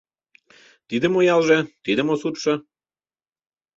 Тиде мо ялже, тиде мо суртшо